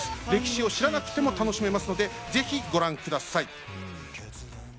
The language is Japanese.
歴史を知らなくても楽しめますので、ぜひご覧ください。